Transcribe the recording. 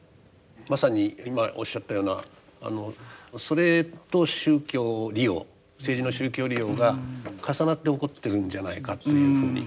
まさに今おっしゃったようなそれと宗教利用政治の宗教利用が重なって起こってるんじゃないかというふうに。